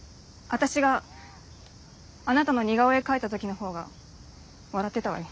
私があなたの似顔絵描いた時の方が笑ってたわよ。